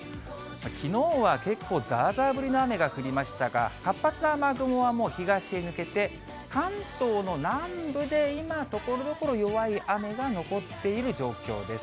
きのうは結構、ざーざー降りの雨が降りましたが、活発な雨雲はもう東へ抜けて、関東の南部で今、ところどころ弱い雨が残っている状況です。